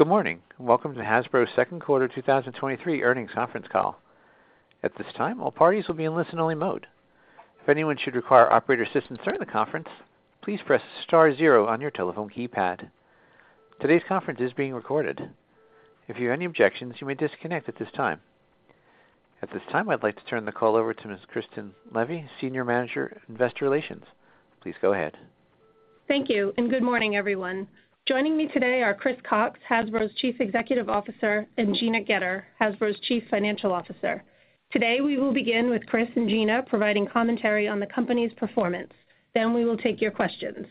Good morning, and welcome to Hasbro's Q2 2023 earnings conference call. At this time, all parties will be in listen-only mode. If anyone should require operator assistance during the conference, please press star zero on your telephone keypad. Today's conference is being recorded. If you have any objections, you may disconnect at this time. At this time, I'd like to turn the call over to Ms. Kristen Levy, Senior Manager, Investor Relations. Please go ahead. Thank you. Good morning, everyone. Joining me today are Chris Cocks, Hasbro's Chief Executive Officer, and Gina Goetter, Hasbro's Chief Financial Officer. Today, we will begin with Chris and Gina providing commentary on the company's performance. We will take your questions.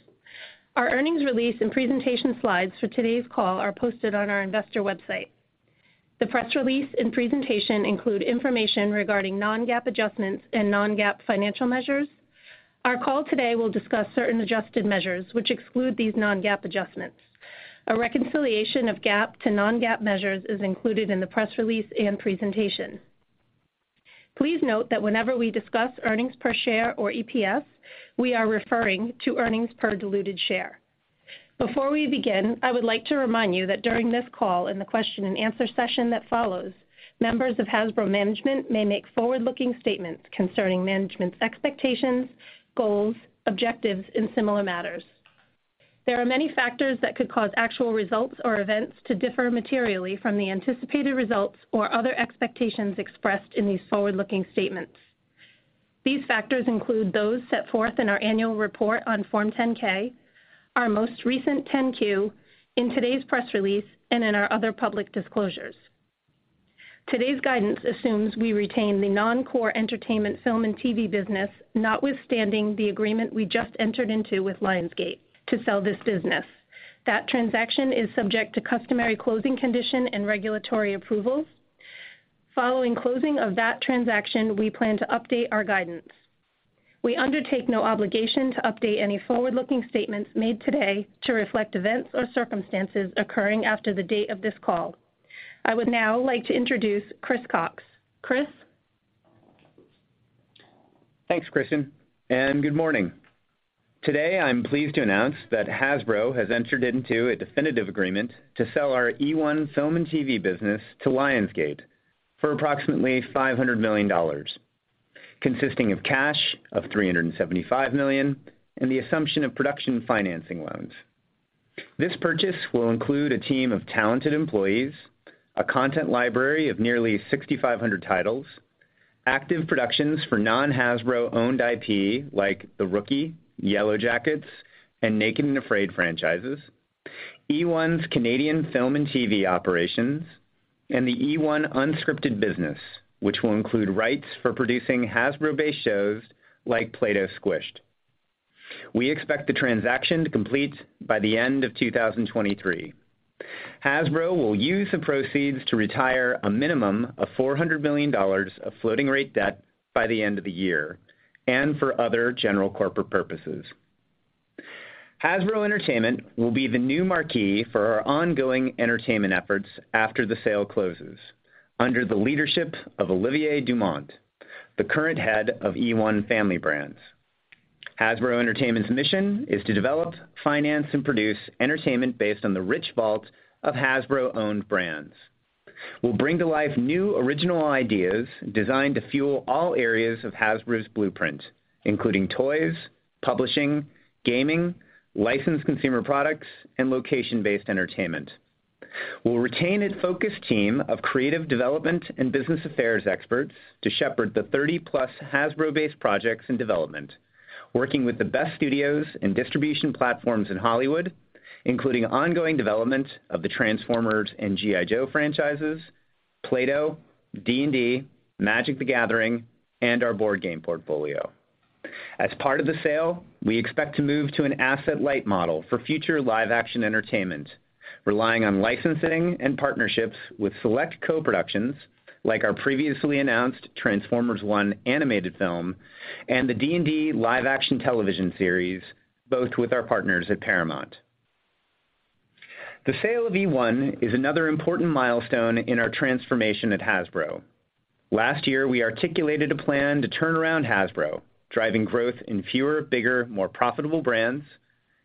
Our earnings release and presentation slides for today's call are posted on our investor website. The press release and presentation include information regarding non-GAAP adjustments and non-GAAP financial measures. Our call today will discuss certain adjusted measures, which exclude these non-GAAP adjustments. A reconciliation of GAAP to non-GAAP measures is included in the press release and presentation. Please note that whenever we discuss earnings per share or EPS, we are referring to earnings per diluted share. Before we begin, I would like to remind you that during this call and the Q&A session that follows, members of Hasbro management may make forward-looking statements concerning management's expectations, goals, objectives, and similar matters. There are many factors that could cause actual results or events to differ materially from the anticipated results or other expectations expressed in these forward-looking statements. These factors include those set forth in our annual report on Form 10-K, our most recent 10-Q, in today's press release, and in our other public disclosures. Today's guidance assumes we retain the non-core entertainment, film, and TV business, notwithstanding the agreement we just entered into with Lionsgate to sell this business. That transaction is subject to customary closing condition and regulatory approvals. Following closing of that transaction, we plan to update our guidance. We undertake no obligation to update any forward-looking statements made today to reflect events or circumstances occurring after the date of this call. I would now like to introduce Chris Cocks. Chris? Thanks, Kristen, and good morning. Today, I'm pleased to announce that Hasbro has entered into a definitive agreement to sell our eOne Film and TV business to Lionsgate for approximately $500 million, consisting of cash of $375 million and the assumption of production financing loans. This purchase will include a team of talented employees, a content library of nearly 6,500 titles, active productions for non-Hasbro-owned IP, like The Rookie, Yellowjackets, and Naked and Afraid franchises, eOne's Canadian film and TV operations, and the eOne unscripted business, which will include rights for producing Hasbro-based shows like Play-Doh Squished. We expect the transaction to complete by the end of 2023. Hasbro will use the proceeds to retire a minimum of $400 million of floating rate debt by the end of the year and for other general corporate purposes. Hasbro Entertainment will be the new marquee for our ongoing entertainment efforts after the sale closes under the leadership of Olivier Dumont, the current head of eOne Family Brands. Hasbro Entertainment's mission is to develop, finance, and produce entertainment based on the rich vault of Hasbro-owned brands. We'll bring to life new original ideas designed to fuel all areas of Hasbro's blueprint, including toys, publishing, gaming, licensed consumer products, and location-based entertainment. We'll retain a focused team of creative development and business affairs experts to shepherd the 30-plus Hasbro-based projects in development, working with the best studios and distribution platforms in Hollywood, including ongoing development of the Transformers and G.I. Joe franchises, Play-Doh, D&D, Magic: The Gathering, and our board game portfolio. As part of the sale, we expect to move to an asset-light model for future live-action entertainment, relying on licensing and partnerships with select co-productions like our previously announced Transformers One animated film and the D&D live-action television series, both with our partners at Paramount. The sale of eOne is another important milestone in our transformation at Hasbro. Last year, we articulated a plan to turn around Hasbro, driving growth in fewer, bigger, more profitable brands,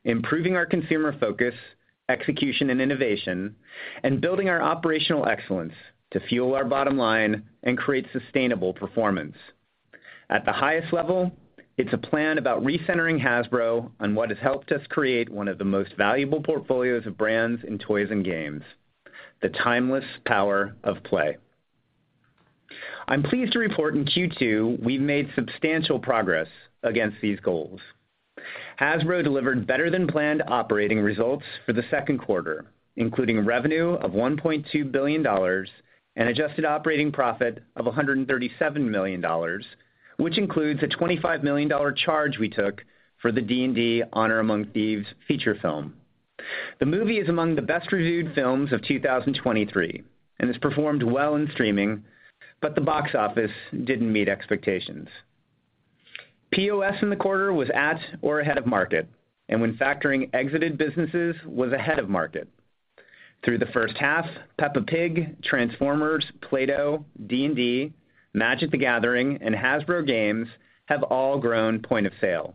improving our consumer focus, execution, and innovation, and building our Operational Excellence to fuel our bottom line and create sustainable performance. At the highest level, it's a plan about recentering Hasbro on what has helped us create one of the most valuable portfolios of brands in toys and games, the timeless power of play. I'm pleased to report in Q2, we've made substantial progress against these goals. Hasbro delivered better than planned operating results for the Q2, including revenue of $1.2 billion and adjusted operating profit of $137 million, which includes a $25 million charge we took for the Dungeons & Dragons: Honor Among Thieves feature film. The movie is among the best-reviewed films of 2023 and has performed well in streaming, the box office didn't meet expectations. POS in the quarter was at or ahead of market, when factoring exited businesses, was ahead of market. Through the first half, Peppa Pig, Transformers, Play-Doh, D&D, Magic: The Gathering, and Hasbro Games have all grown point of sale.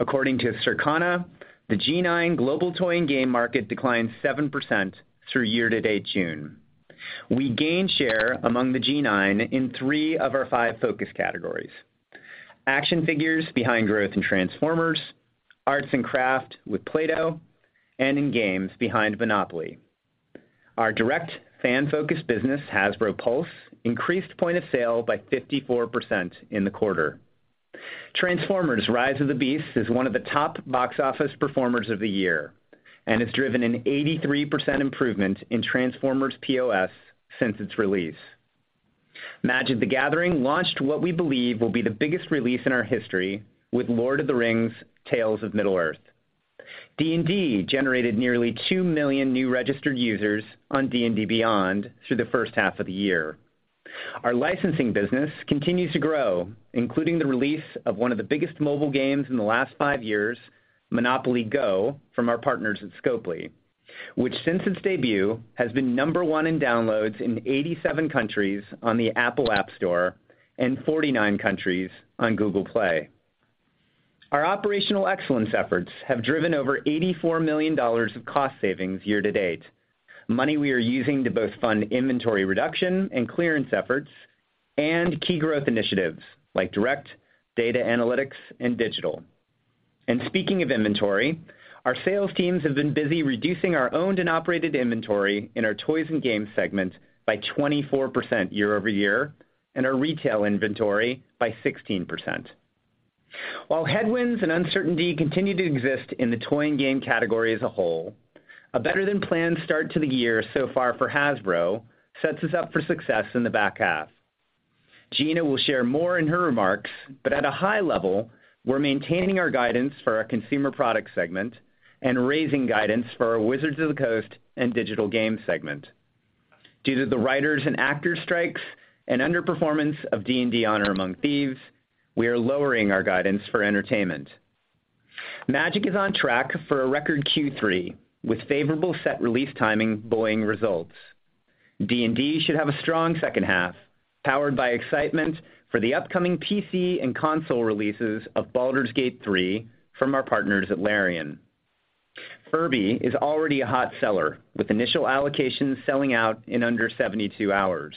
According to Circana, the G9 global toy and game market declined 7% through year-to-date June. We gained share among the G9 in three of our five focus categories: action figures behind growth in Transformers, arts and craft with Play-Doh, and in games behind Monopoly. Our direct fan-focused business, Hasbro Pulse, increased point of sale by 54% in the quarter. Transformers: Rise of the Beasts is one of the top box office performers of the year and has driven an 83% improvement in Transformers POS since its release. Magic: The Gathering launched what we believe will be the biggest release in our history with The Lord of the Rings: Tales of Middle-earth. D&D generated nearly 2 million new registered users on D&D Beyond through the first half of the year. Our licensing business continues to grow, including the release of one of the biggest mobile games in the last five years, MONOPOLY GO! From our partners at Scopely, which, since its debut, has been number one in downloads in 87 countries on the App Store and 49 countries on Google Play. Our operational excellence efforts have driven over $84 million of cost savings year to date, money we are using to both fund inventory reduction and clearance efforts and key growth initiatives like direct, data analytics, and digital. Speaking of inventory, our sales teams have been busy reducing our owned and operated inventory in our toys and games segment by 24% year over year, and our retail inventory by 16%. While headwinds and uncertainty continue to exist in the toy and game category as a whole, a better than planned start to the year so far for Hasbro sets us up for success in the back half. Gina will share more in her remarks, but at a high level, we're maintaining our guidance for our consumer products segment and raising guidance for our Wizards of the Coast and digital games segment. Due to the writers and actors strikes and underperformance of D&D: Honor Among Thieves, we are lowering our guidance for entertainment. Magic is on track for a record Q3, with favorable set release timing buoying results. D&D should have a strong second half, powered by excitement for the upcoming PC and console releases of Baldur's Gate 3 from our partners at Larian. Furby is already a hot seller, with initial allocations selling out in under 72 hours.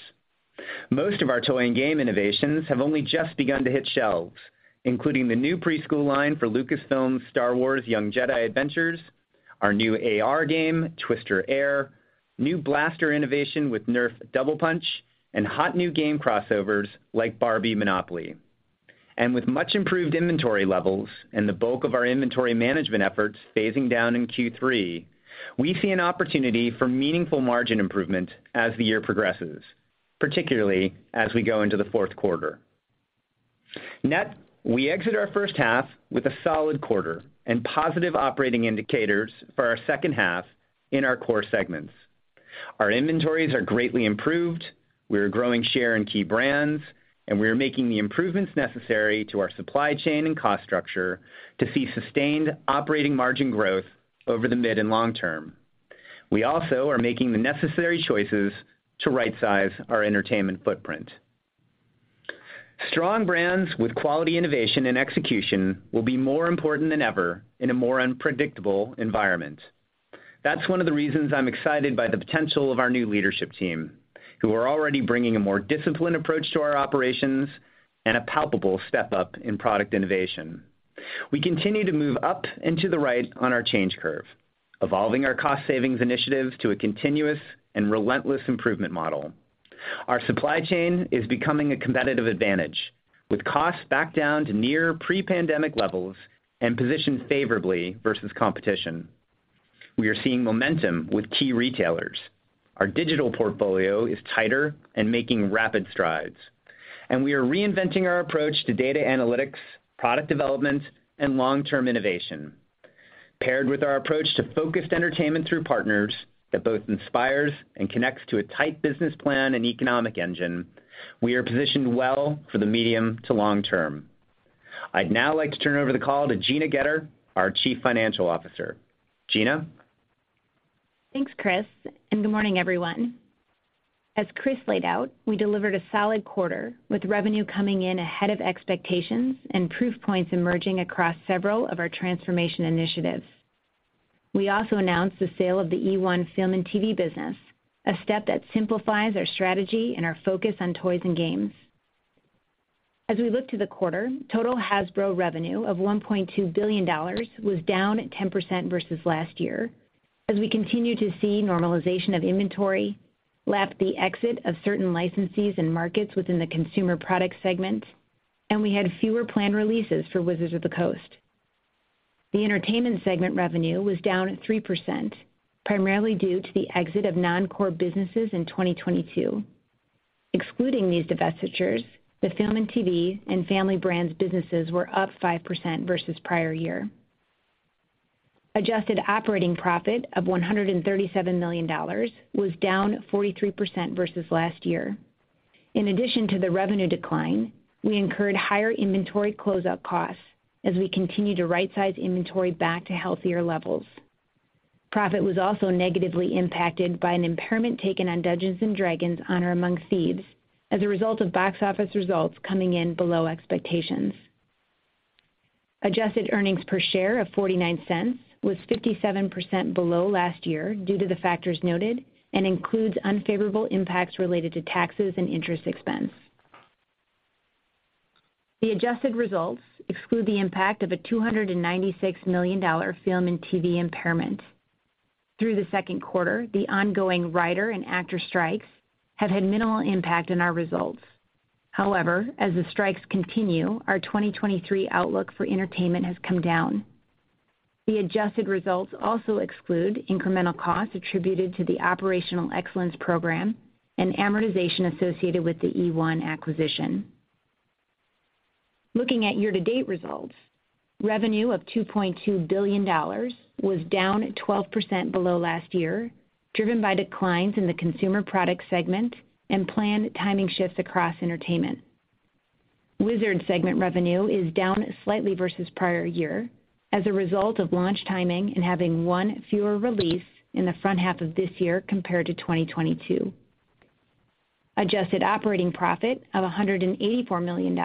Most of our toy and game innovations have only just begun to hit shelves, including the new preschool line for Lucasfilm's Star Wars: Young Jedi Adventures, our new AR game, Twister Air, new blaster innovation with Nerf Double Punch, hot new game crossovers like Barbie Monopoly. With much improved inventory levels and the bulk of our inventory management efforts phasing down in Q3, we see an opportunity for meaningful margin improvement as the year progresses, particularly as we go into the Q4. Net, we exit our first half with a solid quarter and positive operating indicators for our second half in our core segments. Our inventories are greatly improved, we are growing share in key brands, we are making the improvements necessary to our supply chain and cost structure to see sustained operating margin growth over the mid and long term. We also are making the necessary choices to rightsize our entertainment footprint. Strong brands with quality, innovation, and execution will be more important than ever in a more unpredictable environment. That's one of the reasons I'm excited by the potential of our new leadership team, who are already bringing a more disciplined approach to our operations and a palpable step-up in product innovation. We continue to move up and to the right on our change curve, evolving our cost savings initiatives to a continuous and relentless improvement model. Our supply chain is becoming a competitive advantage, with costs back down to near pre-pandemic levels and positioned favorably versus competition. We are seeing momentum with key retailers. Our digital portfolio is tighter and making rapid strides, and we are reinventing our approach to data analytics, product development, and long-term innovation. Paired with our approach to focused entertainment through partners that both inspires and connects to a tight business plan and economic engine, we are positioned well for the medium to long term. I'd now like to turn over the call to Gina Goetter, our Chief Financial Officer. Gina? Thanks, Chris, good morning, everyone. As Chris laid out, we delivered a solid quarter, with revenue coming in ahead of expectations and proof points emerging across several of our transformation initiatives. We also announced the sale of the eOne Film and TV business, a step that simplifies our strategy and our focus on toys and games. As we look to the quarter, total Hasbro revenue of $1.2 billion was down 10% versus last year, as we continue to see normalization of inventory, lap the exit of certain licensees and markets within the consumer products segment, and we had fewer planned releases for Wizards of the Coast. The entertainment segment revenue was down 3%, primarily due to the exit of non-core businesses in 2022. Excluding these divestitures, the Film and TV and Family Brands businesses were up 5% versus prior year. Adjusted operating profit of $137 million was down 43% versus last year. In addition to the revenue decline, we incurred higher inventory closeout costs as we continue to rightsize inventory back to healthier levels. Profit was also negatively impacted by an impairment taken on Dungeons & Dragons: Honor Among Thieves, as a result of box office results coming in below expectations. Adjusted earnings per share of $0.49 was 57% below last year due to the factors noted, and includes unfavorable impacts related to taxes and interest expense. The adjusted results exclude the impact of a $296 million film and TV impairment. Through the Q2, the ongoing writer and actor strikes have had minimal impact on our results. As the strikes continue, our 2023 outlook for entertainment has come down. The adjusted results also exclude incremental costs attributed to the Operational Excellence program and amortization associated with the eOne acquisition. Looking at year-to-date results, revenue of $2.2 billion was down 12% below last year, driven by declines in the Consumer Product segment and planned timing shifts across entertainment. Wizards segment revenue is down slightly versus prior year as a result of launch timing and having one fewer release in the front half of this year compared to 2022. Adjusted operating profit of $184 million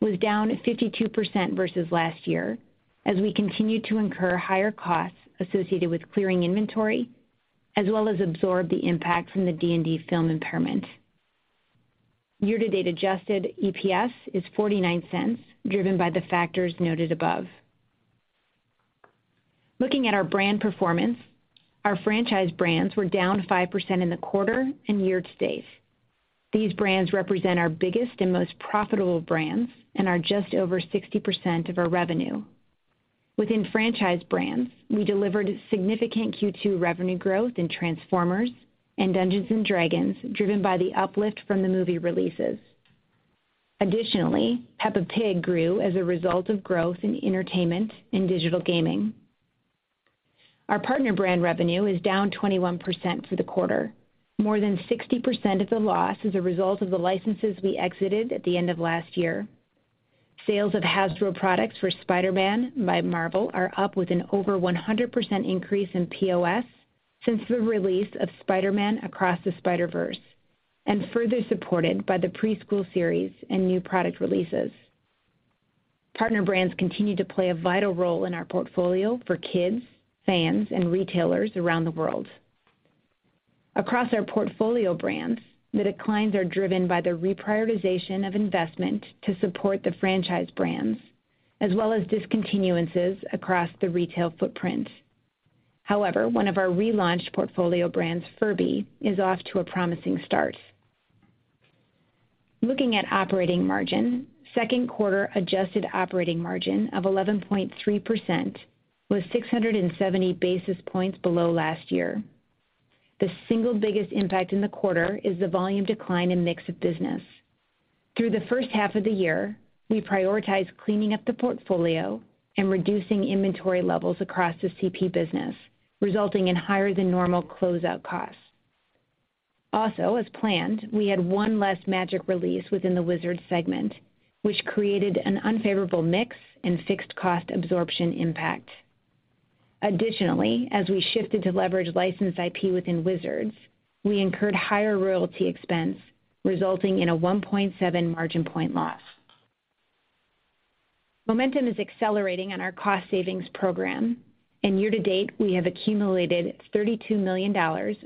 was down 52% versus last year, as we continued to incur higher costs associated with clearing inventory, as well as absorb the impact from the D&D film impairment. Year-to-date adjusted EPS is $0.49, driven by the factors noted above. Looking at our brand performance, our franchise brands were down 5% in the quarter and year-to-date. These brands represent our biggest and most profitable brands and are just over 60% of our revenue. Within franchise brands, we delivered significant Q2 revenue growth in Transformers and Dungeons & Dragons, driven by the uplift from the movie releases. Additionally, Peppa Pig grew as a result of growth in entertainment and digital gaming. Our partner brand revenue is down 21% for the quarter. More than 60% of the loss is a result of the licenses we exited at the end of last year. Sales of Hasbro products for Spider-Man by Marvel are up with an over 100% increase in POS since the release of Spider-Man: Across the Spider-Verse, and further supported by the preschool series and new product releases. Partner brands continue to play a vital role in our portfolio for kids, fans, and retailers around the world. Across our portfolio brands, the declines are driven by the reprioritization of investment to support the franchise brands, as well as discontinuances across the retail footprint. However, one of our relaunched portfolio brands, Furby, is off to a promising start. Looking at operating margin, Q2 adjusted operating margin of 11.3% was 670 basis points below last year. The single biggest impact in the quarter is the volume decline and mix of business. Through the first half of the year, we prioritized cleaning up the portfolio and reducing inventory levels across the CP business, resulting in higher than normal closeout costs. Also, as planned, we had one less Magic release within the Wizards segment, which created an unfavorable mix and fixed cost absorption impact. Additionally, as we shifted to leverage licensed IP within Wizards, we incurred higher royalty expense, resulting in a 1.7 margin point loss. Momentum is accelerating on our cost savings program, and year-to-date, we have accumulated $32 million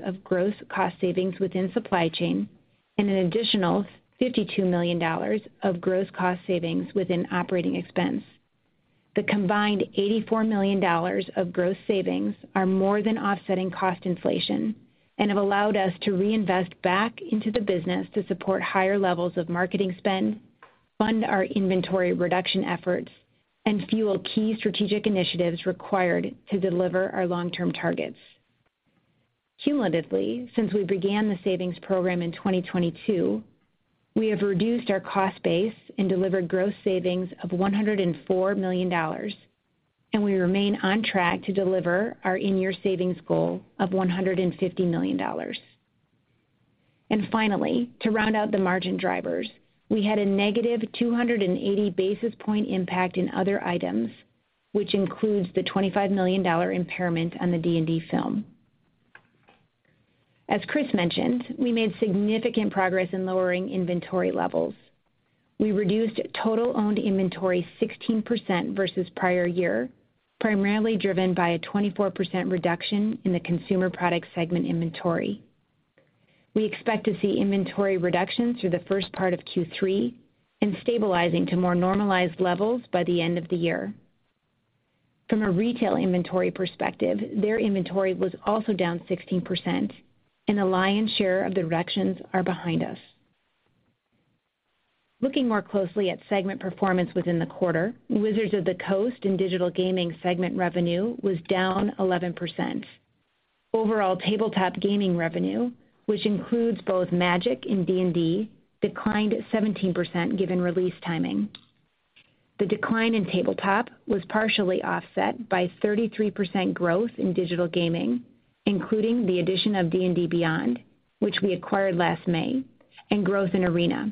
of gross cost savings within supply chain and an additional $52 million of gross cost savings within operating expense. The combined $84 million of gross savings are more than offsetting cost inflation and have allowed us to reinvest back into the business to support higher levels of marketing spend, fund our inventory reduction efforts, and fuel key strategic initiatives required to deliver our long-term targets. Cumulatively, since we began the savings program in 2022, we have reduced our cost base and delivered gross savings of $104 million, and we remain on track to deliver our in-year savings goal of $150 million. Finally, to round out the margin drivers, we had a negative 280 basis point impact in other items, which includes the $25 million impairment on the D&D film. As Chris mentioned, we made significant progress in lowering inventory levels. We reduced total owned inventory 16% versus prior year, primarily driven by a 24% reduction in the consumer product segment inventory. We expect to see inventory reductions through the first part of Q3 and stabilizing to more normalized levels by the end of the year. From a retail inventory perspective, their inventory was also down 16%. The lion's share of the reductions are behind us. Looking more closely at segment performance within the quarter, Wizards of the Coast and Digital Gaming segment revenue was down 11%. Overall, tabletop gaming revenue, which includes both Magic and D&D, declined 17% given release timing. The decline in tabletop was partially offset by 33% growth in digital gaming, including the addition of D&D Beyond, which we acquired last May, and growth in Arena.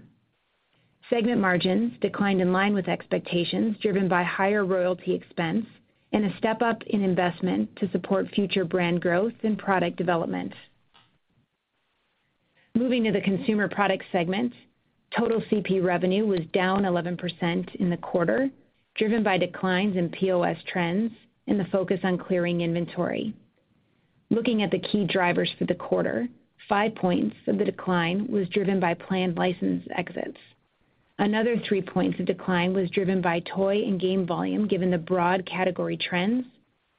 Segment margins declined in line with expectations, driven by higher royalty expense and a step-up in investment to support future brand growth and product development. Moving to the consumer product segment, total CP revenue was down 11% in the quarter, driven by declines in POS trends and the focus on clearing inventory. Looking at the key drivers for the quarter, five points of the decline was driven by planned license exits. Another two points of decline was driven by toy and game volume, given the broad category trends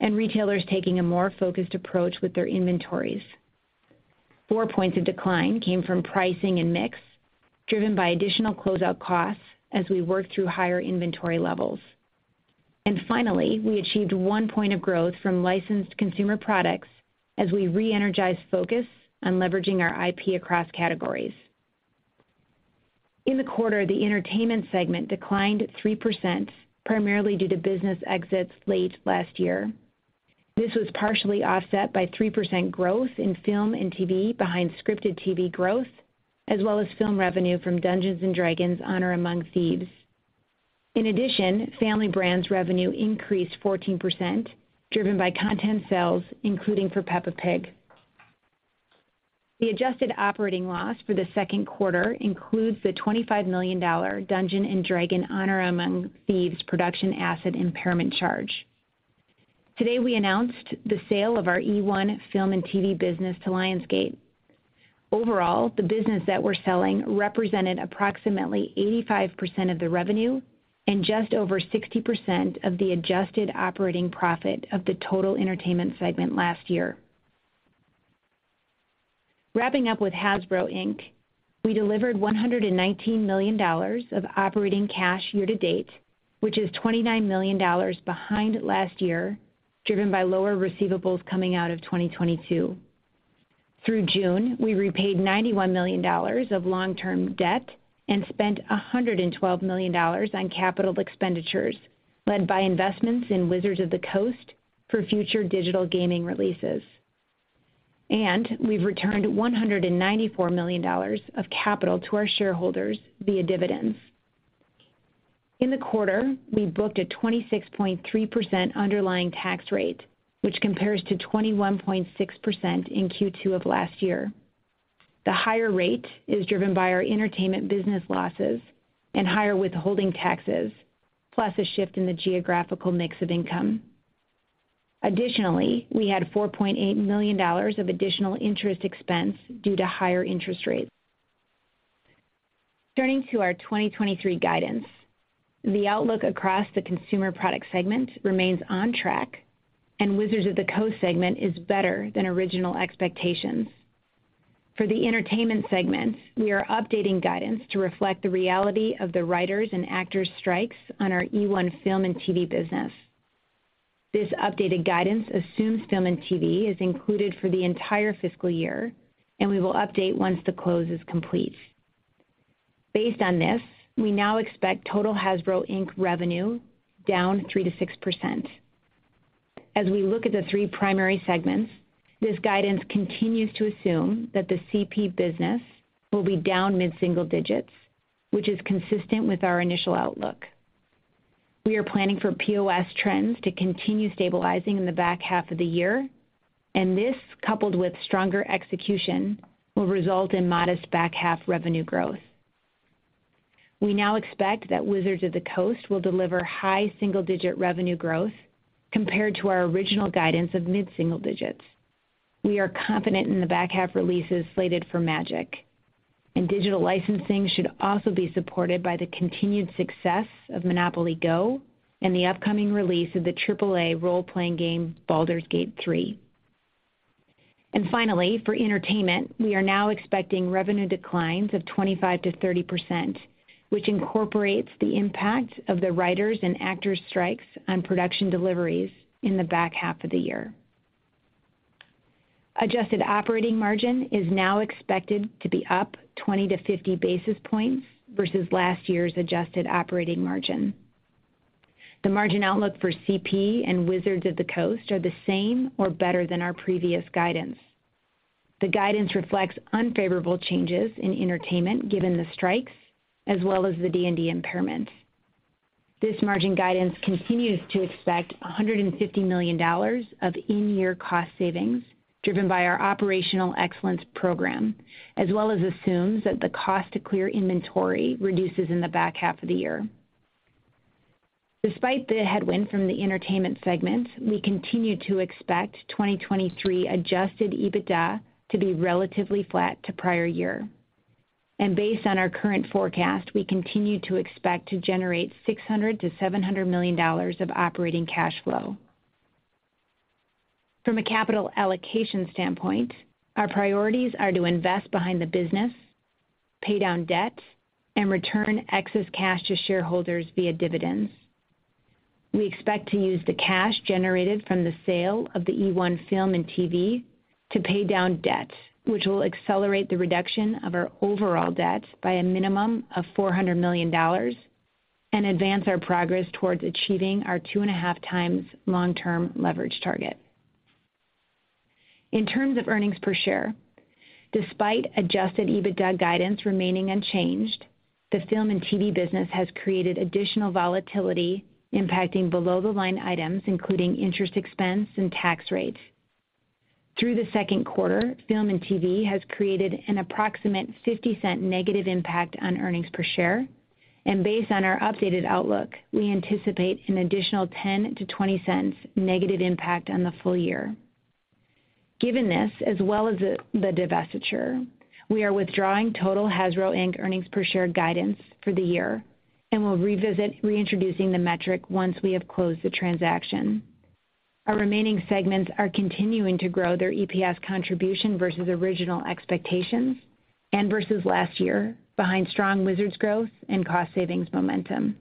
and retailers taking a more focused approach with their inventories. four points of decline came from pricing and mix, driven by additional closeout costs as we work through higher inventory levels. Finally, we achieved one point of growth from licensed consumer products as we re-energize focus on leveraging our IP across categories. In the quarter, the entertainment segment declined 3%, primarily due to business exits late last year. This was partially offset by 3% growth in film and TV behind scripted TV growth, as well as film revenue from Dungeons & Dragons: Honor Among Thieves. In addition, Family Brands revenue increased 14%, driven by content sales, including for Peppa Pig. The adjusted operating loss for the Q2 includes the $25 million Dungeons & Dragons: Honor Among Thieves production asset impairment charge. Today, we announced the sale of our eOne Film and TV business to Lionsgate. Overall, the business that we're selling represented approximately 85% of the revenue and just over 60% of the adjusted operating profit of the total entertainment segment last year. Wrapping up with Hasbro, Inc., we delivered $119 million of operating cash year-to-date, which is $29 million behind last year, driven by lower receivables coming out of 2022. Through June, we repaid $91 million of long-term debt and spent $112 million on capital expenditures, led by investments in Wizards of the Coast for future digital gaming releases. We've returned $194 million of capital to our shareholders via dividends. In the quarter, we booked a 26.3% underlying tax rate, which compares to 21.6% in Q2 of last year. The higher rate is driven by our entertainment business losses and higher withholding taxes, plus a shift in the geographical mix of income. Additionally, we had $4.8 million of additional interest expense due to higher interest rates. Turning to our 2023 guidance, the outlook across the consumer product segment remains on track, and Wizards of the Coast segment is better than original expectations. For the entertainment segment, we are updating guidance to reflect the reality of the writers and actors strikes on our eOne Film and TV business. This updated guidance assumes film and TV is included for the entire fiscal year, and we will update once the close is complete. Based on this, we now expect total Hasbro Inc. revenue down 3%-6%. As we look at the three primary segments, this guidance continues to assume that the CP business will be down mid-single digits, which is consistent with our initial outlook. We are planning for POS trends to continue stabilizing in the back half of the year, and this, coupled with stronger execution, will result in modest back-half revenue growth. We now expect that Wizards of the Coast will deliver high single-digit revenue growth compared to our original guidance of mid-single digits. We are confident in the back-half releases slated for Magic, and digital licensing should also be supported by the continued success of MONOPOLY GO! The upcoming release of the AAA role-playing game, Baldur's Gate 3. Finally, for entertainment, we are now expecting revenue declines of 25%-30%, which incorporates the impact of the writers and actors strikes on production deliveries in the back half of the year. Adjusted operating margin is now expected to be up 20 basis points-50 basis points versus last year's adjusted operating margin. The margin outlook for CP and Wizards of the Coast are the same or better than our previous guidance. The guidance reflects unfavorable changes in entertainment given the strikes, as well as the D&D impairment. This margin guidance continues to expect $150 million of in-year cost savings, driven by our Operational Excellence program, as well as assumes that the cost to clear inventory reduces in the back half of the year. Despite the headwind from the entertainment segment, we continue to expect 2023 adjusted EBITDA to be relatively flat to prior year. Based on our current forecast, we continue to expect to generate $600 million-$700 million of operating cash flow. From a capital allocation standpoint, our priorities are to invest behind the business, pay down debt, and return excess cash to shareholders via dividends. We expect to use the cash generated from the sale of the eOne Film and TV to pay down debt, which will accelerate the reduction of our overall debt by a minimum of $400 million and advance our progress towards achieving our 2.5x long-term leverage target... In terms of earnings per share, despite adjusted EBITDA guidance remaining unchanged, the Film and TV business has created additional volatility, impacting below-the-line items, including interest expense and tax rates. Through the Q2, Film and TV has created an approximate $0.50 negative impact on earnings per share, based on our updated outlook, we anticipate an additional $0.10-$0.20 negative impact on the full year. Given this, as well as the divestiture, we are withdrawing total Hasbro Inc. earnings per share guidance for the year, and we'll revisit reintroducing the metric once we have closed the transaction. Our remaining segments are continuing to grow their EPS contribution versus original expectations and versus last year, behind strong Wizards growth and cost savings momentum.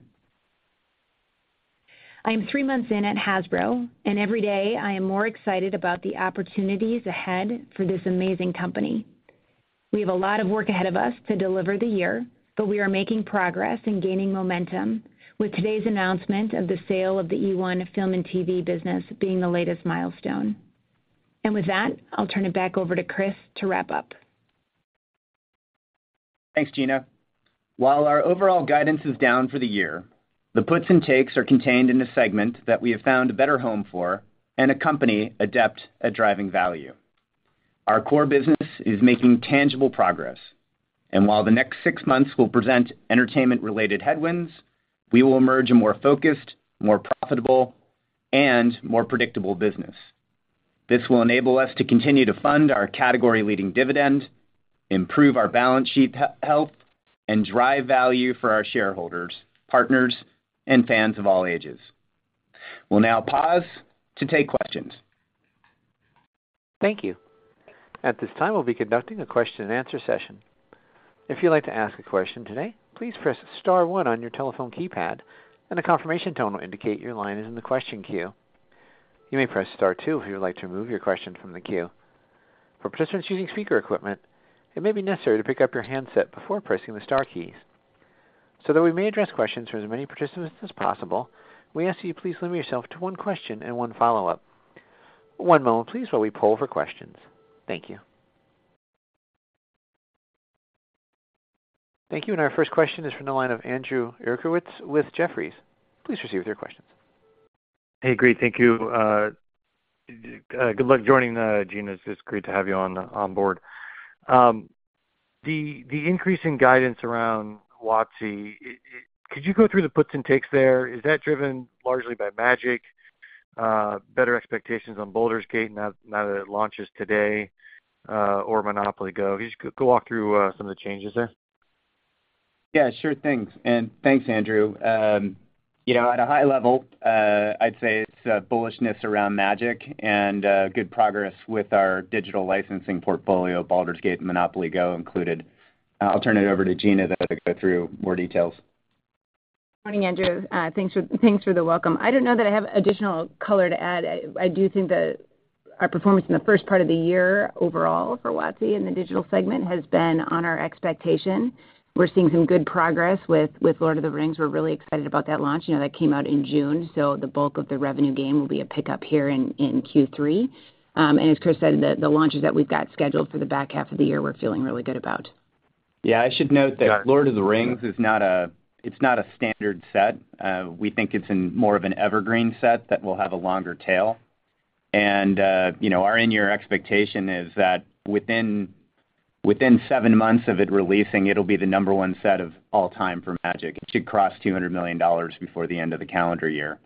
I am three months in at Hasbro, and every day I am more excited about the opportunities ahead for this amazing company. We have a lot of work ahead of us to deliver the year, but we are making progress in gaining momentum, with today's announcement of the sale of the eOne Film and TV business being the latest milestone. With that, I'll turn it back over to Chris to wrap up. Thanks, Gina. While our overall guidance is down for the year, the puts and takes are contained in a segment that we have found a better home for and a company adept at driving value. Our core business is making tangible progress, and while the next six months will present entertainment-related headwinds, we will emerge a more focused, more profitable, and more predictable business. This will enable us to continue to fund our category-leading dividend, improve our balance sheet health, and drive value for our shareholders, partners, and fans of all ages. We'll now pause to take questions. Thank you. At this time, we'll be conducting a Q&A session. If you'd like to ask a question today, please press star one on your telephone keypad, and a confirmation tone will indicate your line is in the question queue. You may pressstar two if you would like to remove your question from the queue. For participants using speaker equipment, it may be necessary to pick up your handset before pressing the star keys. So that we may address questions from as many participants as possible, we ask that you please limit yourself to one question and one follow-up. One moment, please, while we poll for questions. Thank you. Thank you. Our first question is from the line of Andrew Uerkwitz with Jefferies. Please proceed with your questions. Hey, great, thank you. Good luck joining, Gina. It's great to have you on board. The increase in guidance around WotC, could you go through the puts and takes there? Is that driven largely by Magic, better expectations on Baldur's Gate, now that it launches today, or MONOPOLY GO!? Just go walk through some of the changes there. Yeah, sure thing. Thanks, Andrew. You know, at a high level, I'd say it's a bullishness around Magic and good progress with our digital licensing portfolio, Baldur's Gate and MONOPOLY GO! included. I'll turn it over to Gina to go through more details. Morning, Andrew. Thanks for, thanks for the welcome. I don't know that I have additional color to add. I do think that our performance in the first part of the year overall for WotC in the digital segment has been on our expectation. We're seeing some good progress with The Lord of the Rings. We're really excited about that launch. You know, that came out in June, so the bulk of the revenue gain will be a pickup here in, in Q3. As Chris said, the, the launches that we've got scheduled for the back half of the year, we're feeling really good about. Yeah, I should note that The Lord of the Rings is not, it's not a standard set. We think it's in more of an evergreen set that will have a longer tail. You know, our in-year expectation is that within seven months of it releasing, it'll be the number one set of all time for Magic. It should cross $200 million before the end of the calendar year.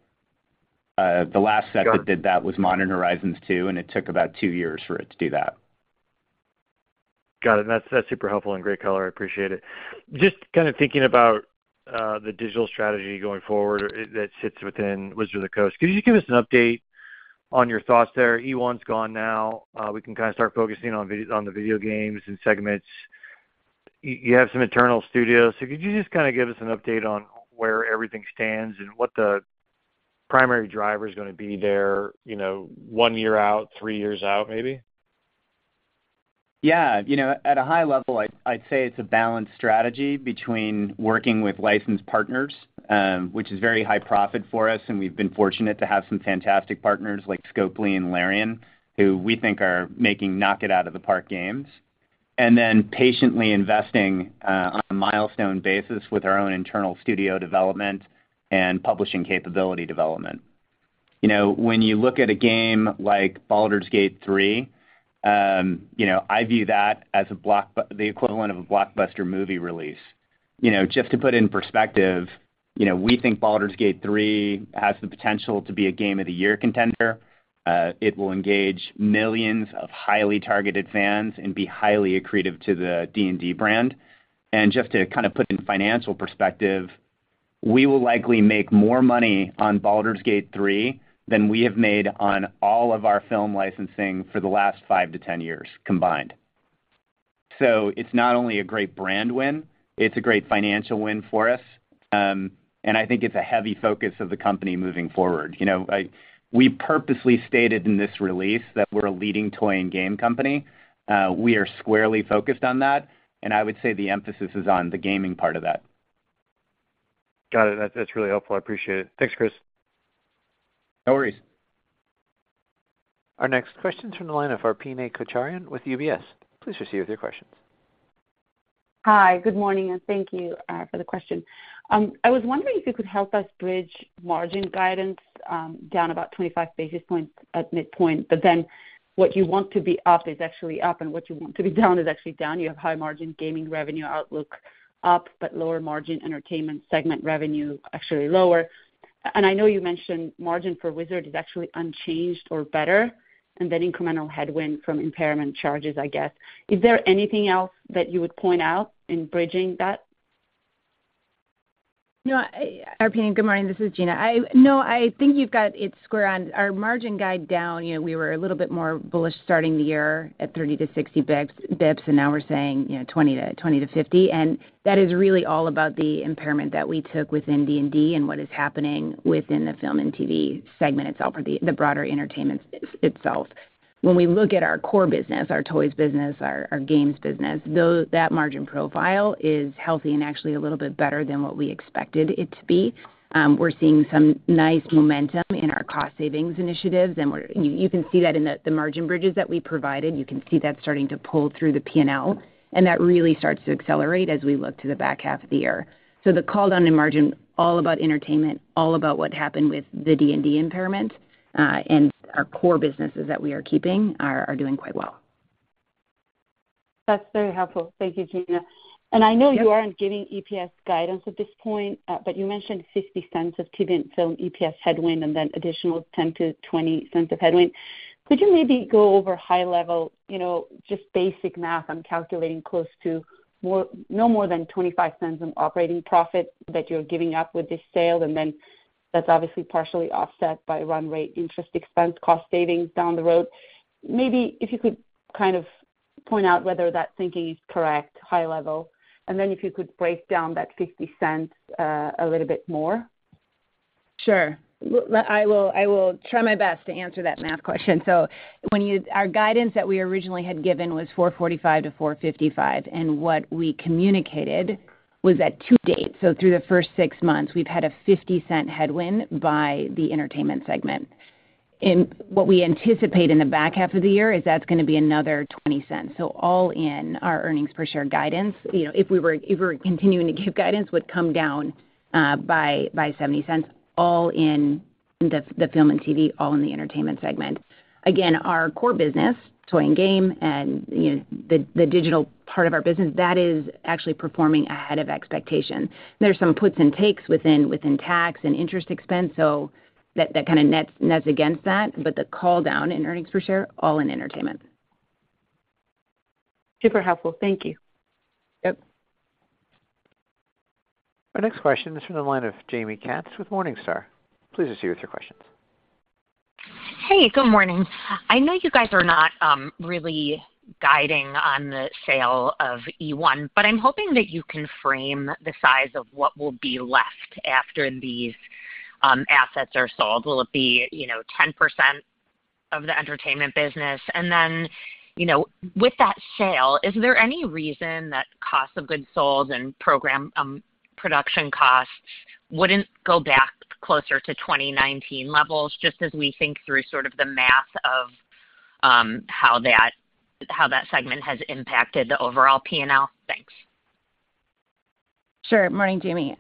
The last set- Got it.... that did that was Modern Horizons 2, and it took about two years for it to do that. Got it. That's, that's super helpful and great color. I appreciate it. Just kind of thinking about the digital strategy going forward that sits within Wizards of the Coast. Could you give us an update on your thoughts there? eOne's gone now. We can kind of start focusing on the video games and segments. You, you have some internal studios, so could you just kind of give us an update on where everything stands and what the primary driver is going to be there, you know, one year out, three years out, maybe? Yeah. You know, at a high level, I'd, I'd say it's a balanced strategy between working with licensed partners, which is very high profit for us, and we've been fortunate to have some fantastic partners like Scopely and Larian, who we think are making knock-it-out-of-the-park games, and then patiently investing on a milestone basis with our own internal studio development and publishing capability development. You know, when you look at a game like Baldur's Gate 3, you know, I view that as the equivalent of a blockbuster movie release. You know, just to put it in perspective, you know, we think Baldur's Gate 3 has the potential to be a game of the year contender. It will engage millions of highly targeted fans and be highly accretive to the D&D brand. Just to kind of put it in financial perspective, we will likely make more money on Baldur's Gate 3 than we have made on all of our film licensing for the last five to 10 years combined. It's not only a great brand win, it's a great financial win for us. I think it's a heavy focus of the company moving forward. You know, we purposely stated in this release that we're a leading toy and game company. We are squarely focused on that, and I would say the emphasis is on the gaming part of that. Got it. That's really helpful. I appreciate it. Thanks, Chris. No worries. Our next question is from the line of Arpine Kocharian with UBS. Please proceed with your questions. Hi, good morning, and thank you for the question. I was wondering if you could help us bridge margin guidance, down about 25 basis points at midpoint, but then what you want to be up is actually up, and what you want to be down is actually down. You have high margin gaming revenue outlook up, but lower margin entertainment segment revenue actually lower. I know you mentioned margin for Wizards is actually unchanged or better, then incremental headwind from impairment charges, I guess. Is there anything else that you would point out in bridging that? No, Arpine, good morning, this is Gina. I think you've got it square on. Our margin guide down, you know, we were a little bit more bullish starting the year at 30 basis points to 60 basis points, and now we're saying, you know, 20 basis points to 50 basis points. That is really all about the impairment that we took within D&D and what is happening within the film and TV segment itself or the broader entertainment itself. When we look at our core business, our toys business, our games business, those, that margin profile is healthy and actually a little bit better than what we expected it to be. We're seeing some nice momentum in our cost savings initiatives, and you can see that in the margin bridges that we provided. You can see that starting to pull through the P&L, and that really starts to accelerate as we look to the back half of the year. The call down in margin, all about entertainment, all about what happened with the D&D impairment, and our core businesses that we are keeping are doing quite well. That's very helpful. Thank you, Gina. Yep. I know you aren't giving EPS guidance at this point, but you mentioned $0.50 of eOne film, so EPS headwind and then additional $0.10-$0.20 of headwind. Could you maybe go over high level, you know, just basic math? I'm calculating close to no more than $0.25 in operating profit that you're giving up with this sale, and then that's obviously partially offset by run rate, interest expense, cost savings down the road. Maybe if you could kind of point out whether that thinking is correct, high level, and then if you could break down that $0.50 a little bit more. Sure. I will try my best to answer that math question. Our guidance that we originally had given was $4.45-$4.55, and what we communicated was that to date, so through the first six months, we've had a $0.50 headwind by the entertainment segment. What we anticipate in the back half of the year is that's going to be another $0.20. All in our earnings per share guidance, you know, if we were continuing to give guidance, would come down by $0.70, all in the film and TV, all in the entertainment segment. Again, our core business, toy and game and, you know, the, the digital part of our business, that is actually performing ahead of expectation. There's some puts and takes within tax and interest expense. That, that kind of nets against that. The call down in earnings per share, all in entertainment. Super helpful. Thank you. Yep. Our next question is from the line of Jamie Katz with Morningstar. Please proceed with your questions. Hey, good morning. I know you guys are not really guiding on the sale of eOne, but I'm hoping that you can frame the size of what will be left after these assets are sold. Will it be, you know, 10% of the entertainment business? You know, with that sale, is there any reason that cost of goods sold and program production costs wouldn't go back closer to 2019 levels, just as we think through sort of the math of how that, how that segment has impacted the overall P&L? Thanks. Sure. Morning, Jamie.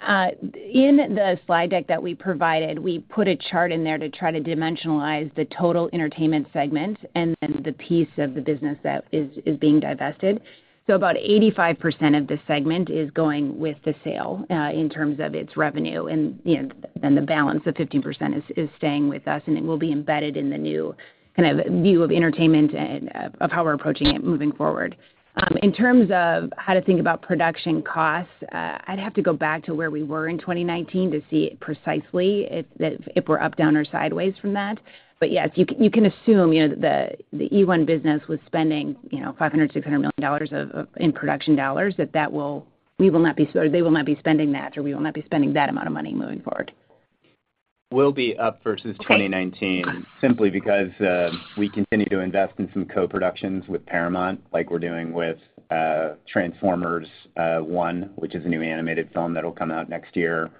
In the slide deck that we provided, we put a chart in there to try to dimensionalize the total entertainment segment and then the piece of the business that is being divested. About 85% of the segment is going with the sale, in terms of its revenue and, you know, the balance of 15% is staying with us, and it will be embedded in the new kind of view of entertainment and of how we're approaching it moving forward. In terms of how to think about production costs, I'd have to go back to where we were in 2019 to see precisely if we're up, down, or sideways from that. Yes, you can assume, you know, the eOne business was spending, you know, $500 million-$600 million in production dollars. We will not be, or they will not be spending that, or we will not be spending that amount of money moving forward. We'll be up versus 2019- Okay. Got it.... simply because we continue to invest in some co-productions with Paramount, like we're doing with Transformers One, which is a new animated film that'll come out next year.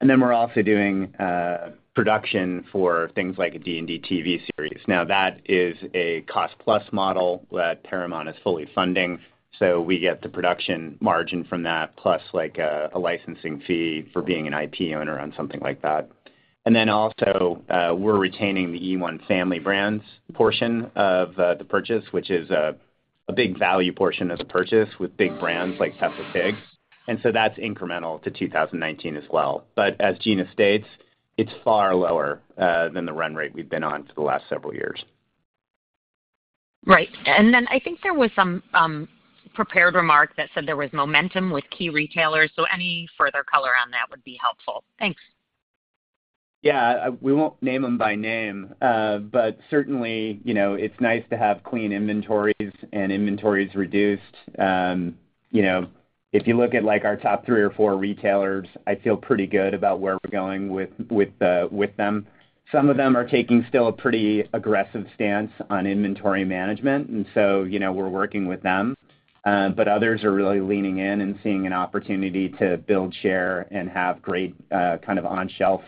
Then we're also doing production for things like a D&D TV series. Now, that is a cost-plus model that Paramount is fully funding, so we get the production margin from that, plus, like, a licensing fee for being an IP owner on something like that. Then also, we're retaining the eOne Family Brands portion of the purchase, which is a big value portion of the purchase, with big brands like Peppa Pig, and so that's incremental to 2019 as well. As Gina states, it's far lower than the run rate we've been on for the last several years. Right. Then I think there was some prepared remark that said there was momentum with key retailers, so any further color on that would be helpful. Thanks. Yeah, we won't name them by name, but certainly, you know, it's nice to have clean inventories and inventories reduced. You know, if you look at, like, our top three or four retailers, I feel pretty good about where we're going with them. Some of them are taking still a pretty aggressive stance on inventory management, and so, you know, we're working with them. Others are really leaning in and seeing an opportunity to build, share, and have great, kind of on-shelf,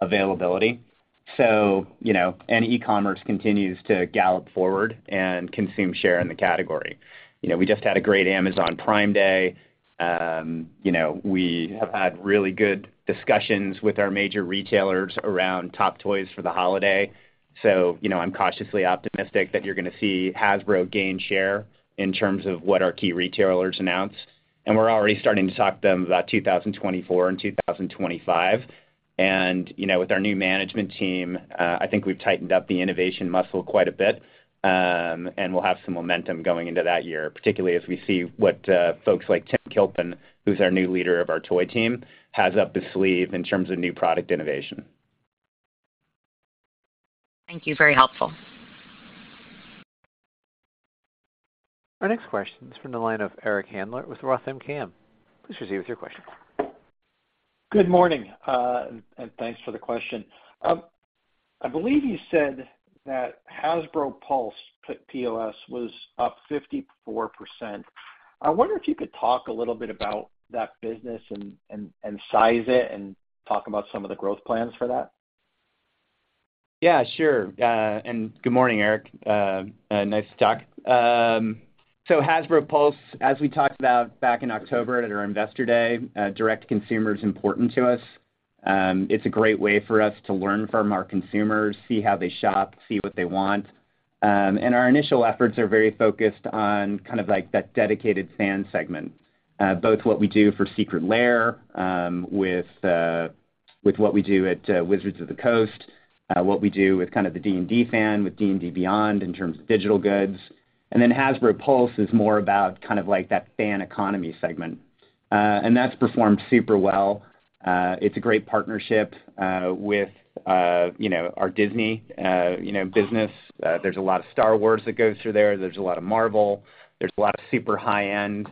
availability. You know, e-commerce continues to gallop forward and consume share in the category. You know, we just had a great Amazon Prime Day. You know, we have had really good discussions with our major retailers around top toys for the holiday. You know, I'm cautiously optimistic that you're gonna see Hasbro gain share in terms of what our key retailers announce, and we're already starting to talk to them about 2024 and 2025. You know, with our new management team, I think we've tightened up the innovation muscle quite a bit, and we'll have some momentum going into that year, particularly as we see what folks like Tim Kilpin, who's our new leader of our toy team, has up his sleeve in terms of new product innovation. Thank you. Very helpful. Our next question is from the line of Eric Handler with Roth MKM. Please proceed with your question. Good morning, and thanks for the question. I believe you said that Hasbro Pulse put POS was up 54%. I wonder if you could talk a little bit about that business and, and, and size it, and talk about some of the growth plans for that. Yeah, sure. Good morning, Eric. Nice to talk. Hasbro Pulse, as we talked about back in October at our Investor Day, direct consumer is important to us. It's a great way for us to learn from our consumers, see how they shop, see what they want. Our initial efforts are very focused on kind of like that dedicated fan segment, both what we do for Secret Lair, with what we do at Wizards of the Coast, what we do with kind of the D&D fan, with D&D Beyond in terms of digital goods. Hasbro Pulse is more about kind of like that fan economy segment. That's performed super well. It's a great partnership with, you know, our Disney, you know, business. There's a lot of Star Wars that goes through there. There's a lot of Marvel. There's a lot of super high-end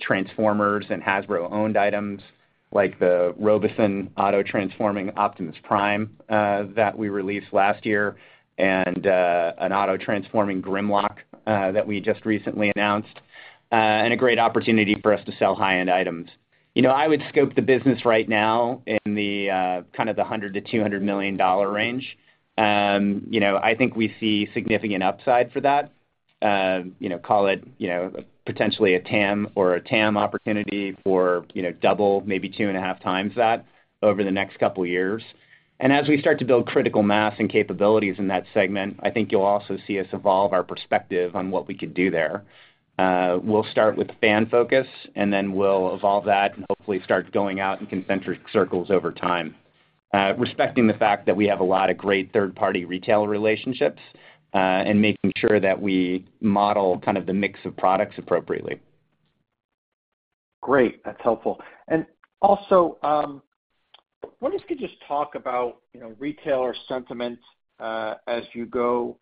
Transformers and Hasbro-owned items, like the Robosen Auto-Transforming Optimus Prime, that we released last year, and an auto-transforming Grimlock, that we just recently announced, and a great opportunity for us to sell high-end items. You know, I would scope the business right now in the kind of the $100 million-$200 million range. You know, I think we see significant upside for that. You know, call it, you know, potentially a TAM or a TAM opportunity for, you know, 2x, maybe 2.5x that over the next couple of years. As we start to build critical mass and capabilities in that segment, I think you'll also see us evolve our perspective on what we could do there. We'll start with fan focus, and then we'll evolve that and hopefully start going out in concentric circles over time, respecting the fact that we have a lot of great third-party retailer relationships, and making sure that we model kind of the mix of products appropriately. Great, that's helpful. Also, I wonder if you could just talk about, you know, retailer sentiment, as you go,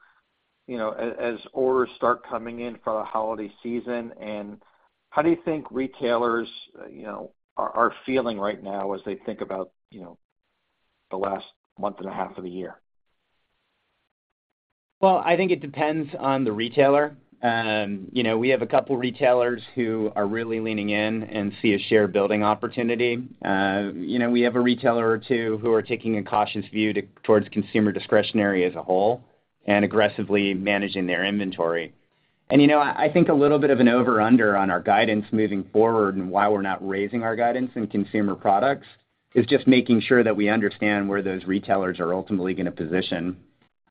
you know, as orders start coming in for the Holiday Season, and how do you think retailers, you know, are feeling right now as they think about, you know, the last month and a half of the year? Well, I think it depends on the retailer. You know, we have a couple of retailers who are really leaning in and see a share building opportunity. You know, we have a retailer or two who are taking a cautious view towards consumer discretionary as a whole and aggressively managing their inventory. You know, I think a little bit of an over-under on our guidance moving forward and why we're not raising our guidance in consumer products, is just making sure that we understand where those retailers are ultimately going to position.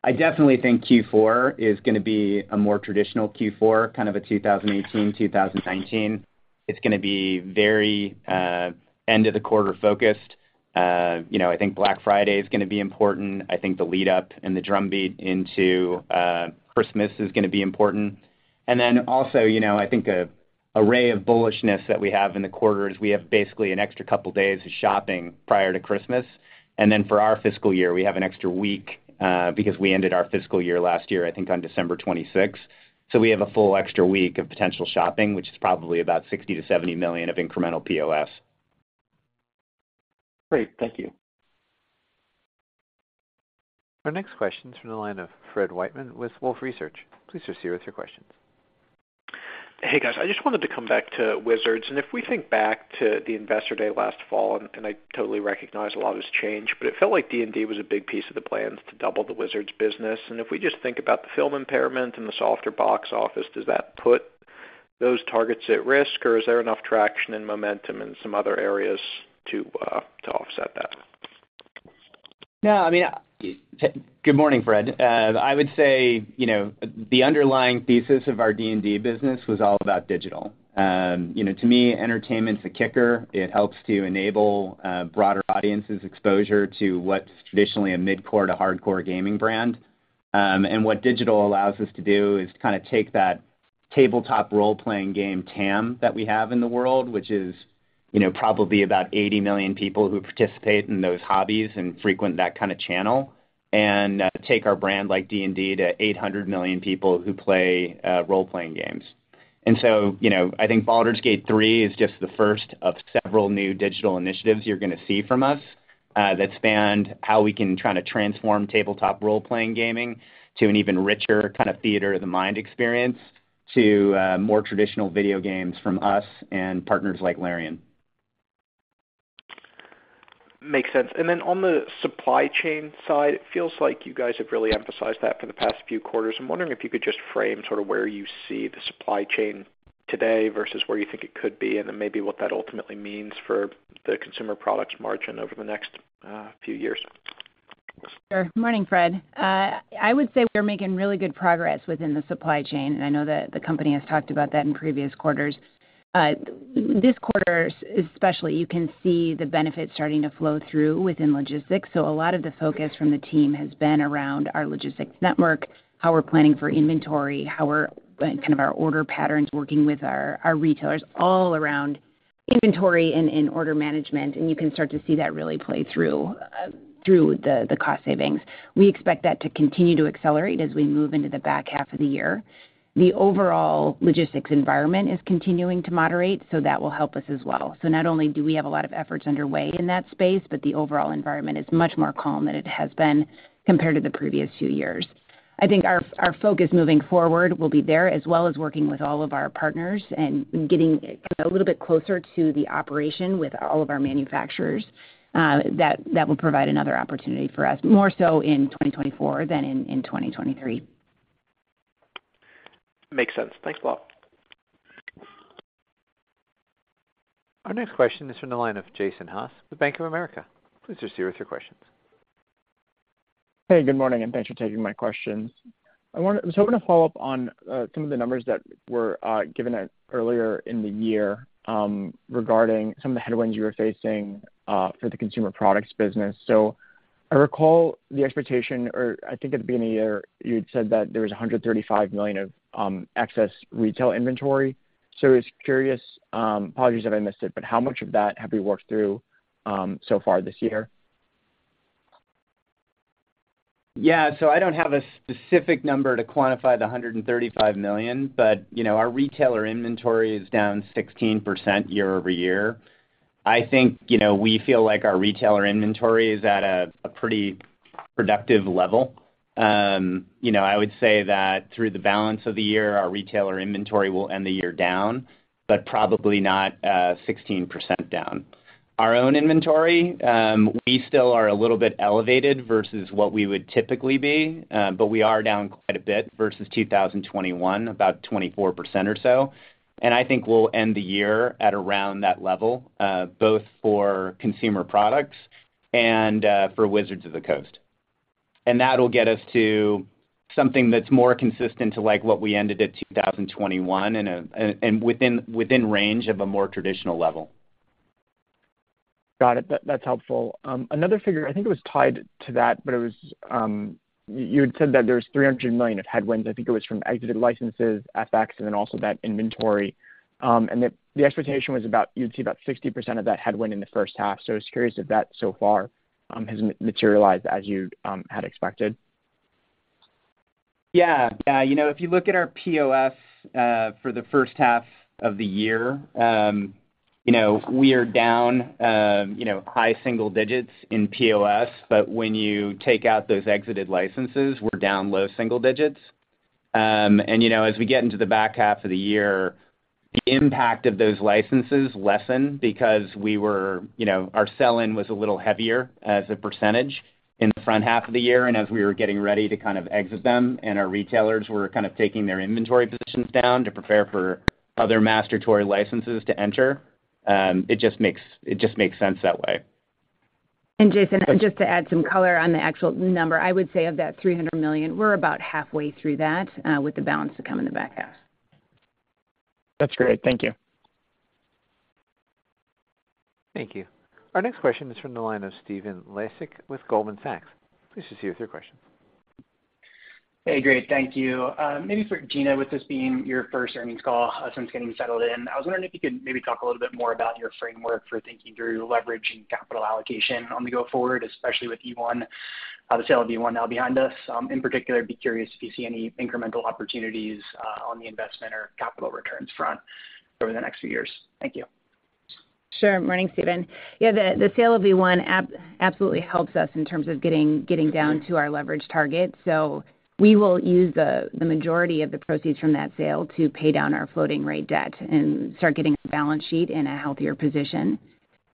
I definitely think Q4 is gonna be a more traditional Q4, kind of a 2018, and 2019. It's gonna be very end-of-the-quarter focused. You know, I think Black Friday is gonna be important. I think the lead-up and the drumbeat into Christmas is gonna be important. Also, you know, I think a array of bullishness that we have in the quarter is we have basically an extra couple of days of shopping prior to Christmas. For our fiscal year, we have an extra week, because we ended our fiscal year last year, I think, on December 26th. We have a full extra week of potential shopping, which is probably about $60 million-$70 million of incremental POS. Great. Thank you. Our next question is from the line of Fred Wightman with Wolfe Research. Please proceed with your questions. Hey, guys. I just wanted to come back to Wizards, and if we think back to the Investor Day last fall, and I totally recognize a lot has changed, but it felt like D&D was a big piece of the plans to double the Wizards business. If we just think about the film impairment and the softer box office, does that put those targets at risk, or is there enough traction and momentum in some other areas to offset that? No, I mean, Good morning, Fred. I would say, you know, the underlying thesis of our D&D business was all about digital. You know, to me, entertainment's a kicker. It helps to enable broader audiences exposure to what's traditionally a mid-core to hardcore gaming brand. What digital allows us to do is to kind of take that tabletop role-playing game TAM that we have in the world, which is, you know, probably about 80 million people who participate in those hobbies and frequent that kind of channel, and take our brand, like D&D, to 800 million people who play role-playing games. So, you know, I think Baldur's Gate 3 is just the first of several new digital initiatives you're gonna see from us, that span how we can try to transform tabletop role-playing gaming to an even richer kind of theater of the mind experience, to, more traditional video games from us and partners like Larian. Makes sense. Then on the supply chain side, it feels like you guys have really emphasized that for the past few quarters. I'm wondering if you could just frame sort of where you see the supply chain today versus where you think it could be, then maybe what that ultimately means for the consumer products margin over the next few years. Sure. Morning, Fred. I would say we're making really good progress within the supply chain, and I know that the company has talked about that in previous quarters. This quarter especially, you can see the benefits starting to flow through within logistics. A lot of the focus from the team has been around our logistics network, how we're planning for inventory, how we're our order patterns, working with our retailers, all around inventory and order management. You can start to see that really play through through the cost savings. We expect that to continue to accelerate as we move into the back half of the year. The overall logistics environment is continuing to moderate. That will help us as well. Not only do we have a lot of efforts underway in that space, but the overall environment is much more calm than it has been compared to the previous two years. I think our focus moving forward will be there, as well as working with all of our partners and getting a little bit closer to the operation with all of our manufacturers. That will provide another opportunity for us, more so in 2024 than in 2023. Makes sense. Thanks a lot. Our next question is from the line of Jason Haas with Bank of America. Please proceed with your questions. Good morning, and thanks for taking my questions. I want to follow up on some of the numbers that were given out earlier in the year regarding some of the headwinds you were facing for the consumer products business. I recall the expectation, or I think at the beginning of the year, you'd said that there was $135 million of excess retail inventory. I was curious, apologies if I missed it, but how much of that have you worked through so far this year? Yeah, so I don't have a specific number to quantify the $135 million, but, you know, our retailer inventory is down 16% year-over-year. I think, you know, we feel like our retailer inventory is at a, a pretty productive level. You know, I would say that through the balance of the year, our retailer inventory will end the year down, but probably not 16% down. Our own inventory, we still are a little bit elevated versus what we would typically be, but we are down quite a bit versus 2021, about 24% or so. I think we'll end the year at around that level, both for consumer products and for Wizards of the Coast. That'll get us to something that's more consistent to, like, what we ended at 2021 and, and, and within, within range of a more traditional level. Got it. That, that's helpful. Another figure, I think it was tied to that, but it was, you, you had said that there was $300 million of headwinds. I think it was from exited licenses, FX, and then also that inventory. The, the expectation was about you'd see about 60% of that headwind in the first half. I was curious if that so far, has materialized as you had expected? Yeah, you know, if you look at our POS for the first half of the year, you know, we are down, you know, high single digits in POS, but when you take out those exited licenses, we're down low single digits. And, you know, as we get into the back half of the year, the impact of those licenses lessen because we were, you know, our sell-in was a little heavier as a percentage in the front half of the year and as we were getting ready to kind of exit them, and our retailers were kind of taking their inventory positions down to prepare for other master toy licenses to enter. It just makes, it just makes sense that way. Jason, just to add some color on the actual number, I would say of that $300 million, we're about halfway through that, with the balance to come in the back half. That's great. Thank you. Thank you. Our next question is from the line of Stephen Laszczyk with Goldman Sachs. Please proceed with your questions. Hey, great. Thank you. maybe for Gina, with this being your first earnings call since getting settled in, I was wondering if you could maybe talk a little bit more about your framework for thinking through leverage and capital allocation on the go forward, especially with eOne, the sale of eOne now behind us. In particular, I'd be curious if you see any incremental opportunities, on the investment or capital returns front over the next few years. Thank you. Sure. Morning, Stephen. Yeah, the, the sale of eOne absolutely helps us in terms of getting, getting down to our leverage target. We will use the, the majority of the proceeds from that sale to pay down our floating rate debt and start getting the balance sheet in a healthier position.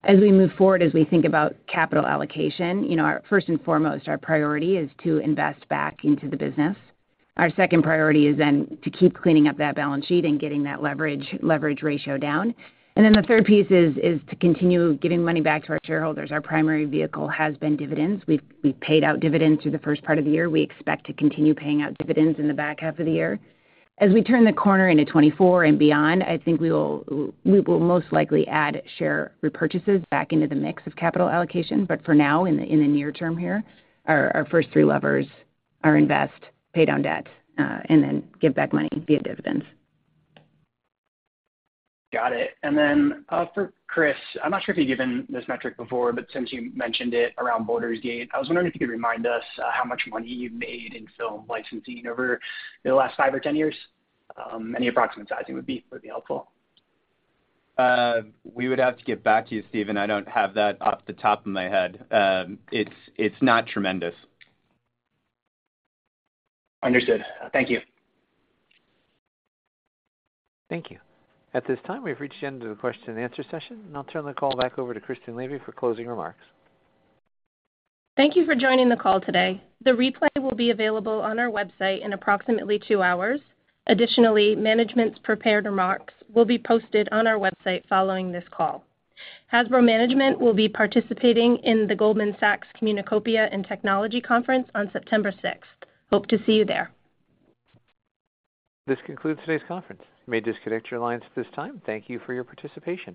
As we move forward, as we think about capital allocation, you know, first and foremost, our priority is to invest back into the business. Our second priority is then to keep cleaning up that balance sheet and getting that leverage, leverage ratio down. Then the third piece is, is to continue giving money back to our shareholders. Our primary vehicle has been dividends. We've paid out dividends through the first part of the year. We expect to continue paying out dividends in the back half of the year. As we turn the corner into 2024 and beyond, I think we will most likely add share repurchases back into the mix of capital allocation, but for now, in the near term here our first three levers are invest, pay down debt, and then give back money via dividends. Got it. Then for Chris, I'm not sure if you've given this metric before, but since you mentioned it around Baldur's Gate, I was wondering if you could remind us how much money you've made in film licensing over the last five or 10 years? Any approximate sizing would be, would be helpful. We would have to get back to you, Stephen. I don't have that off the top of my head. It's not tremendous. Understood. Thank you. Thank you. At this time, we've reached the end of the Q&A session, I'll turn the call back over to Kristen Levy for closing remarks. Thank you for joining the call today. The replay will be available on our website in approximately two hours. Additionally, management's prepared remarks will be posted on our website following this call. Hasbro management will be participating in the Goldman Sachs Communacopia and Technology Conference on September 6. Hope to see you there. This concludes today's conference. You may disconnect your lines at this time. Thank you for your participation.